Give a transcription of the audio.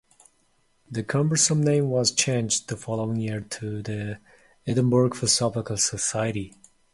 The cumbersome name was changed the following year to the Edinburgh Philosophical Society.